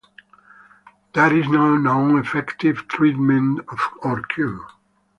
There is no known effective treatment or cure.